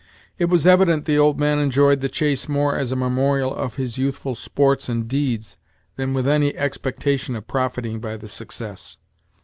It was evident the old man enjoyed the chase more as a memorial of his youthful sports and deeds than with any expectation of profiting by the success.